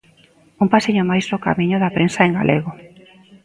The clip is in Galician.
Un pasiño máis no camiño da prensa en galego.